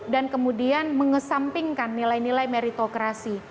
dan kemudian mengesampingkan nilai nilai meritokrasi